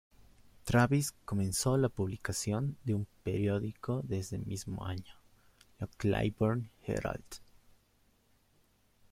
Travis comenzó la publicación de un periódico de ese mismo año, la Claiborne Herald.